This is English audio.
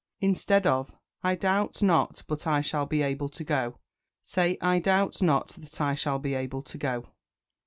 Instead of "I doubt not but I shall be able to go," say "I doubt not that I shall be able to go."